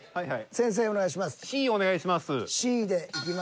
Ｃお願いします。